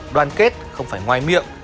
đoàn kết không phải ngoài miệng